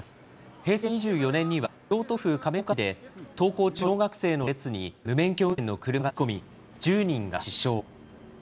平成２４年には、京都府亀岡市で、登校中の小学生の列に無免許運転の車が突っ込み、１０人が死傷。